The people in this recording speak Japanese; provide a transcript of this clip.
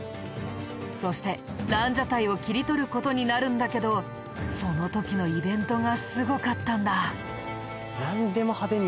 そして蘭奢待を切り取る事になるんだけどその時のイベントがすごかったんだ。